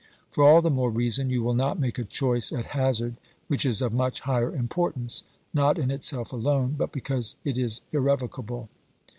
For all the more reason you will not make a choice at hazard which is of much higher importance, not in itself alone but because it is irrevocable.